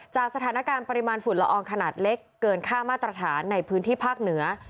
จากสถานการณ์ปริมาณฝุ่นละอองขนาดเล็กเกินค่ามาตรฐานในพื้นที่ภาคเหนือ